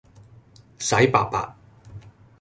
洗白白